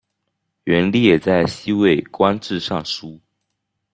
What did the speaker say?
元烈在西魏官至尚书。